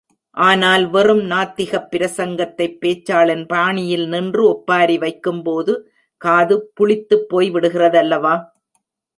ஆனால், வெறும் நாத்திகப் பிரசங்கத்தைப் பேச்சாளன் பாணியில் நின்று ஒப்பாரி வைக்கும்போது, காது புளித்துப் போய்விடுகிறதல்லவா?